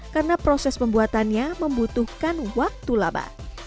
karena proses pembuatannya membutuhkan waktu laba